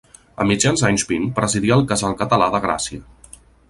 A mitjan anys vint presidí el Casal Català de Gràcia.